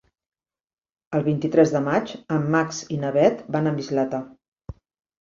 El vint-i-tres de maig en Max i na Bet van a Mislata.